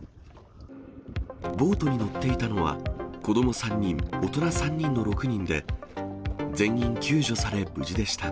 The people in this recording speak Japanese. ボートに乗っていたのは子ども３人、大人３人の６人で、全員救助され、無事でした。